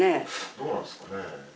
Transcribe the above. どうなんですかね。